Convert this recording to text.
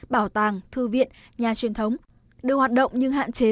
bảo tàng thư viện nhà truyền thống đều hoạt động nhưng hạn chế